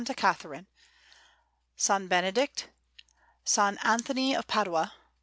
Catharine, S. Benedict, S. Anthony of Padua, S.